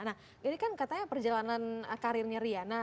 nah ini kan katanya perjalanan karirnya riana